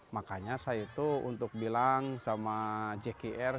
makanya saya itu untuk bilang sama jkr